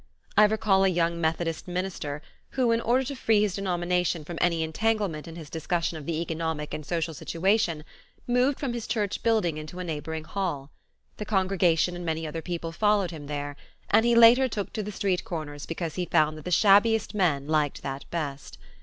I recall a young Methodist minister who, in order to free his denomination from any entanglement in his discussion of the economic and social situation, moved from his church building into a neighboring hall. The congregation and many other people followed him there, and he later took to the street corners because he found that the shabbiest men liked that best.